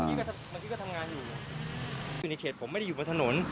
เมื่อกี้ก็ทำงานอยู่คือในเขตผมไม่ได้อยู่บนถนน